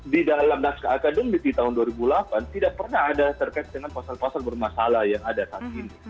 di dalam naskah akademik di tahun dua ribu delapan tidak pernah ada terkait dengan pasal pasal bermasalah yang ada saat ini